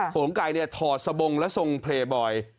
หลงไก่นี่ทอดสะบงและทรงเพลบอย